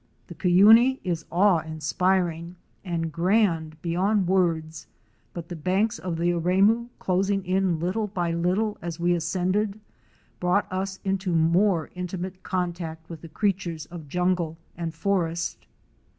The Cuyuni is awe inspiring and grand beyond words, but the banks of the Aremu, closing in little by little as we ascended, brought us into more intimate contact with the creatures of jungle and forest.